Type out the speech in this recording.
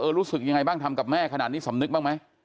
รู้สึกยังไงบ้างทำกับแม่ขนาดนี้สำนึกบ้างไหม